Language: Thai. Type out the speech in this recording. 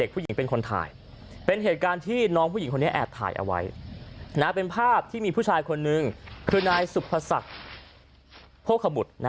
เป็นภาพที่มีผู้ชายคนหนึ่งคือนายสุภสัตว์โภคบุตร